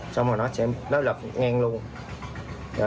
xong rồi nó lập ngang luôn